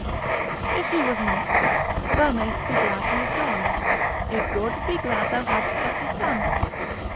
If he was naught, thou mayst be glad he is gone; if good, be glad thou hadst such a son.